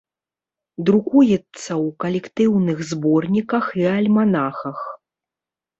Друкуецца ў калектыўных зборніках і альманахах.